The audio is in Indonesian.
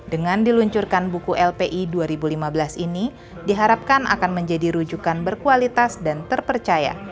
dengan diluncurkan buku lpi dua ribu lima belas ini diharapkan akan menjadi rujukan berkualitas dan terpercaya